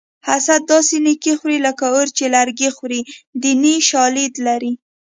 حسد داسې نیکي خوري لکه اور چې لرګي خوري دیني شالید لري